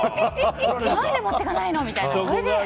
何で持っていかないの？みたいな。